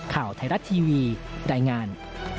ข่าวไทยรัฐทีวีรายงาน